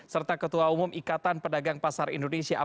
serta ketua umum ikatan pedagang pasar indonesia